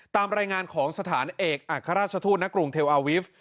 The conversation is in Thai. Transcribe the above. ตามรายงานของสถานเอกอัครราชทูตณกรุงเทลอาวิฟต์